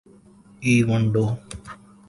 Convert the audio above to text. ایوانڈو